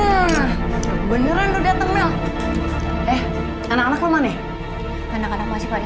waalaikumsalam beneran udah temen eh anak anak lu maneh anak anak masih pada